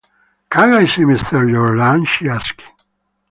“Can I see Mr. Jordan?” she asked.